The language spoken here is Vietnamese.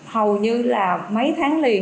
hầu như là mấy tháng liền